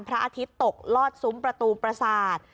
พระอาทิตย์ตกลอดซุ้มประตูประสาท